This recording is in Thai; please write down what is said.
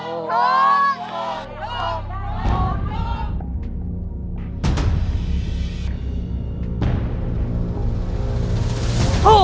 ถูกถูกถูกถูก